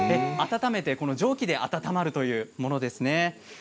蒸気で温まるというものですね。